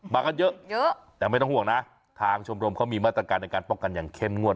มากันเยอะเยอะแต่ไม่ต้องห่วงนะทางชมรมเขามีมาตรการในการป้องกันอย่างเข้มงวด